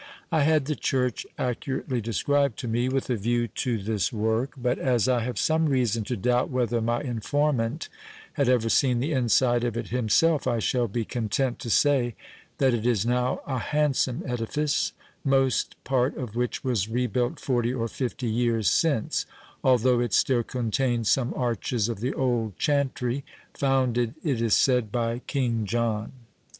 I had the church accurately described to me, with a view to this work; but, as I have some reason to doubt whether my informant had ever seen the inside of it himself, I shall be content to say that it is now a handsome edifice, most part of which was rebuilt forty or fifty years since, although it still contains some arches of the old chantry, founded, it is said, by King John.